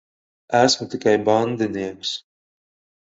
Esmu tikai bandinieks.